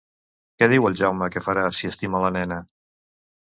Què diu al Jaume que farà si estima la nena?